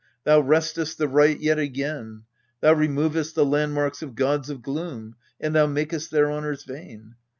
thou wrestest the right yet again. Thou removest the landmarks of gods of gloom. And thou makest their honours vain.